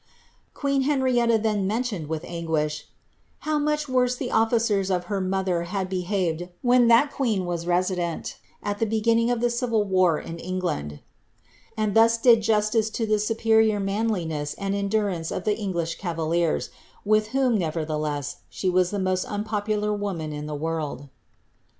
" Queen Henrietta then mentioned, with anguish, ^ how much worse the officers of her mother had behaved when that queen was resi dent, at the beginning of the civil war, in England^' and thus did justice to the superior manliness and endurance of the English ca\'aliers,* with whom, nevertheless, slie was the most unpopular woman in the world.